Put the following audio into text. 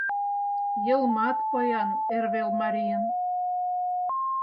Йылмат поян эрвелмарийын.